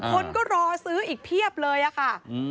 คนก็รอซื้ออีกเพียบเลยอะค่ะ